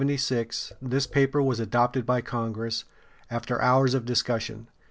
] On July 4, 1776, this paper was adopted by Congress, after hours of discussion.